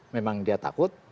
memang dia takut